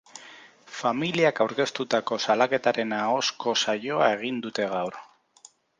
Familiak aurkeztutako salaketaren ahozko saioa egin dute gaur.